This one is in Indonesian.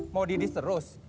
mau didis terus